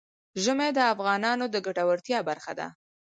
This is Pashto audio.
ژمی د افغانانو د ګټورتیا برخه ده.